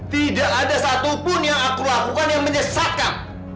tidak ada satupun yang aku lakukan yang menyesatkan